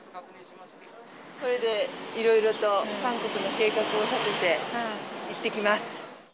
これで、いろいろと韓国の計画を立てて行ってきます。